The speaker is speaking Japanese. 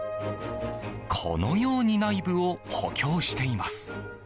このように内部を補強しています。